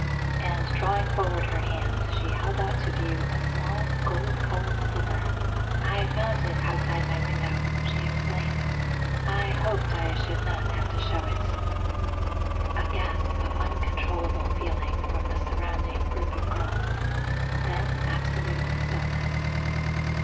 And drawing forward her hand, she held out to view a small gold coloured slipper. "I found it outside my window," she explained. "I hoped I should not have to show it." A gasp of uncontrollable feeling from the surrounding group of girls, then absolute stillness.